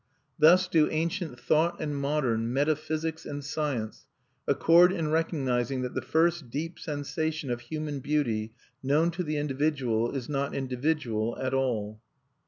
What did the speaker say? Thus do ancient thought and modern metaphysics and science accord in recognizing that the first deep sensation of human beauty known to the individual is not individual at all.